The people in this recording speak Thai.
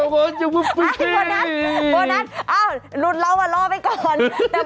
โบนัสโบนัสเอ้าหลุดเราอ่ะรอไปก่อน